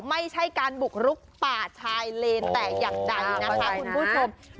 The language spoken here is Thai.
ไม่ใช่การบุกรุกป่าชายเลนแต่อย่างใดนะคะคุณผู้ชม